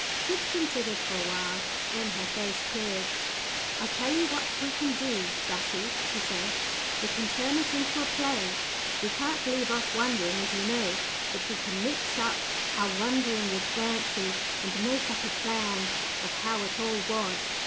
Tib considered for a while. Then her face cleared. "I'll tell you what we can do, Gussie," she said; "we can turn it into a play. We can't leave off wondering, as you say, but we can mix up our wondering with fancy, and make up a plan of how it all was.